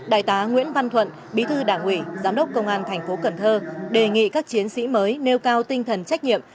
đại tá nguyễn văn thuận bí thư đảng ủy giám đốc công an thành phố cần thơ đề nghị các chiến sĩ mới nêu cao tinh thần trách nhiệm